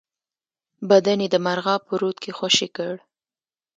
بدن یې د مرغاب په رود کې خوشی کړ.